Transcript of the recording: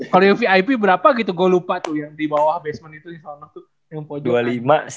kalo yang vip berapa gitu gue lupa tuh yang dibawah basement itu yang pojok gitu